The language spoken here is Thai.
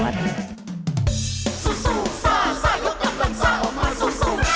สู้สู้ซ่าซ่ายกำลังซ่าออกมาสู้สู้